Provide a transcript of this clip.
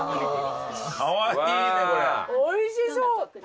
おいしそう。